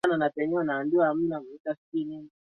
katika vikundi kuhusu mazingira na makaazi ya kutosha